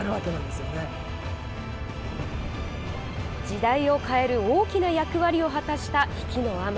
時代を変える大きな役割を果たした比企尼。